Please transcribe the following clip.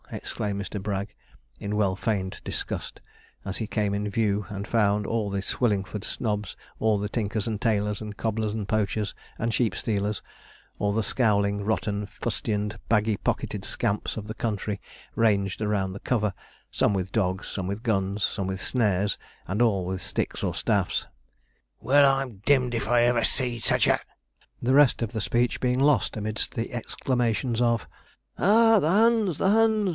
exclaimed Mr. Bragg, in well feigned disgust, as he came in view, and found all the Swillingford snobs, all the tinkers and tailors, and cobblers and poachers, and sheep stealers, all the scowling, rotten fustianed, baggy pocketed scamps of the country ranged round the cover, some with dogs, some with guns, some with snares, and all with sticks or staffs. 'Well, I'm dimmed if ever I seed sich a ' The rest of the speech being lost amidst the exclamations of: 'Ah! the hunds! the hunds!